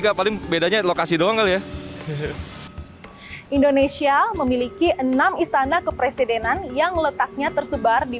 kepadanya lokasi dong ya indonesia memiliki enam istana kepresidenan yang letaknya tersebar di